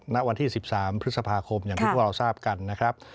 ณวันที่๑๓พฤษภาคมอย่างที่พวกเราทราบกันนะครับ